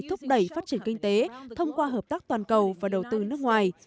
thúc đẩy phát triển kinh tế thông qua hợp tác toàn cầu và đầu tư nước ngoài